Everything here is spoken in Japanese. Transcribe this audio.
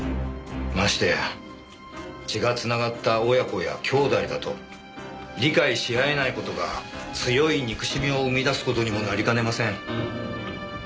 ましてや血が繋がった親子や兄弟だと理解し合えない事が強い憎しみを生み出す事にもなりかねません。